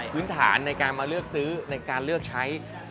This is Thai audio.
พื้นฐานในการมาเลือกซื้อในการเลือกใช้